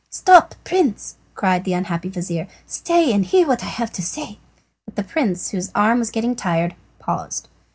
"Stop, Prince," cried the unhappy vizir, "stay and hear what I have to say." The prince, whose arm was getting tired, paused.